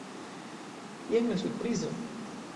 Jen la surprizo.